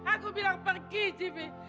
aku bilang pergi jimmy